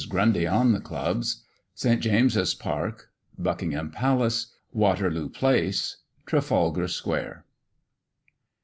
GRUNDY ON THE CLUBS. ST. JAMES'S PARK. BUCKINGHAM PALACE. WATERLOO PLACE. TRAFALGAR SQUARE.